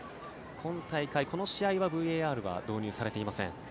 この試合はＶＡＲは導入されていません。